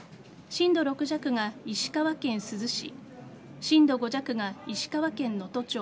震度６弱が石川県珠洲市震度５弱が石川県能登町